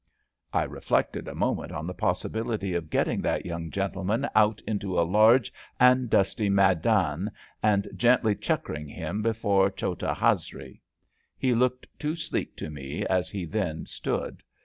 ^' I reflected a moment on the possibility of get ting that young gentleman out iato a large and dusty maidan and gently chukkering him before chota hazri. He looked too sleek to me as he then stood.